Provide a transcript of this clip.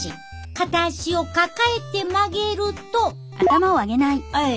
片足を抱えて曲げるとはい。